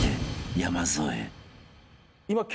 山添］